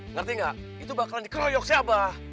ngerti nggak itu bakalan dikeroyok si abah